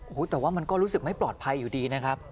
โอ้โหแต่ว่ามันก็รู้สึกไม่ปลอดภัยอยู่ดีนะครับ